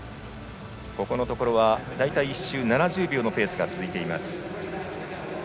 このところ大体１周７０秒のペースが続きます。